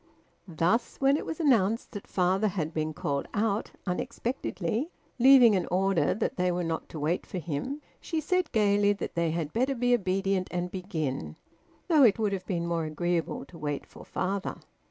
Thus, when it was announced that father had been called out unexpectedly, leaving an order that they were not to wait for him, she said gaily that they had better be obedient and begin, though it would have been more agreeable to wait for father.